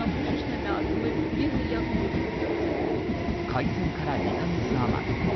開戦から２か月あまり。